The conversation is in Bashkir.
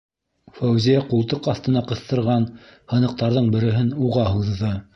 Фәүзиә ҡултыҡ аҫтына ҡыҫтырған һыныҡтарҙың береһен уға һуҙҙы.